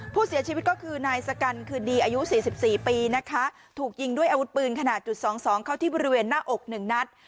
ผู้เสียชีวิตก็คือนายสกันคืนดีอายุ๔๔ปีนะคะถูกยิงด้วยอาวุธปืนขนาดจุดสองสองเข้าที่บริเวณหน้าอกหนึ่งนัด